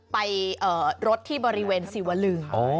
ไปรถที่บริเวณสิวลึง